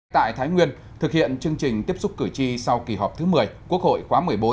tại thái nguyên thực hiện chương trình tiếp xúc cử tri sau kỳ họp thứ một mươi quốc hội khóa một mươi bốn